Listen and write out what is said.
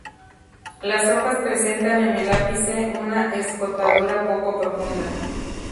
Las hojas presentan en el ápice una escotadura poco profunda.